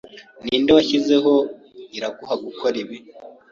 Ninde washyizeho Iraguha gukora ibi?